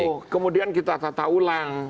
diputus dulu kemudian kita tata ulang